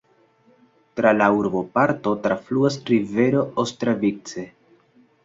Tra la urboparto trafluas rivero Ostravice.